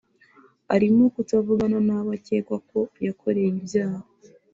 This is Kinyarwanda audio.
arimo kutavugana n’abo akekwa ko yakoreye ibyaha